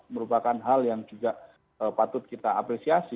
merupakan hal yang juga patut kita apresiasi